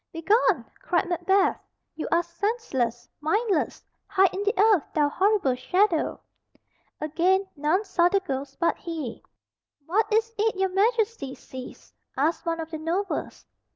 "Begone!" cried Macbeth. "You are senseless, mindless! Hide in the earth, thou horrible shadow." Again none saw the ghost but he. "What is it your Majesty sees?" asked one of the nobles.